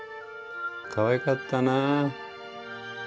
かわいかったな。